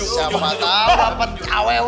siapa tahu apa aww